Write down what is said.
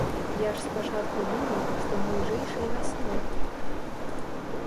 Я ж спачатку думаў, што бліжэйшай вясной.